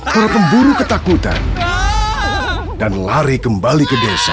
para pemburu ketakutan dan lari kembali ke desa